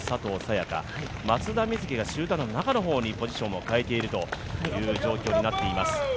也伽、松田瑞生が集団の中の方にポジションを変えている状況になっています。